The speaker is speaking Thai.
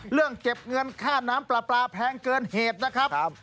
เรื่องเก็บเงินค่าน้ำปลาปลาแพงเกินเหตุนะครับ